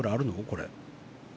これ。